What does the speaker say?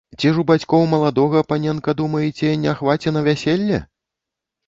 Ці ж у бацькоў маладога, паненка, думаеце, не хваце на вяселле?